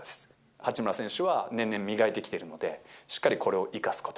八村選手は年々磨いてきているので、しっかりこれを生かすこと。